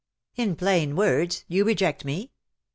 ''" In plain words, you reject me